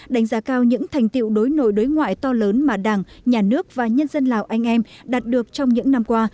đánh giá cao những thành tiệu đối nội đối ngoại to lớn mà đảng nhà nước và nhân dân lào anh em đạt được trong những năm qua